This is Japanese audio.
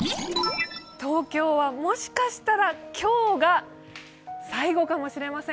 東京はもしかしたら、今日が今シーズン最後かもしれません。